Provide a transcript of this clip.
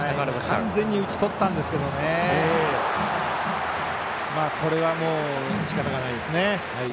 完全に打ち取ったんですがこれはしかたがないですね。